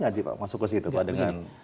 gak sih masuk ke situ pak dengan